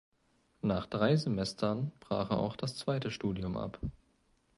Nach drei Semestern brach er auch das zweite Studium ab.